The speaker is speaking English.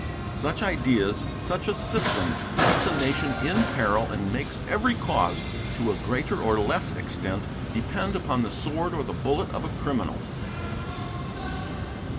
Such ideas, such a system, keeps a nation in peril and makes every cause, to a greater or less extent, depend upon the sword or the bullet of a criminal.